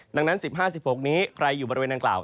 ดังนั้น๑๕๑๖นี้ใครอยู่บริเวณดังกล่าว